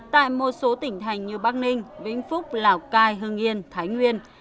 tại một số tỉnh thành như bắc ninh vĩnh phúc lào cai hưng yên thái nguyên